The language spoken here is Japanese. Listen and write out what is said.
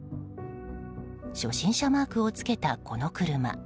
初心者マークを付けたこの車。